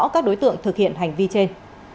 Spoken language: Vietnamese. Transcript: các đối tượng thực hiện hành vi trên